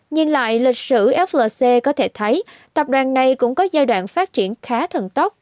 nhìn lại lịch sử flc có thể thấy tập đoàn này cũng có giai đoạn phát triển khá thần tốc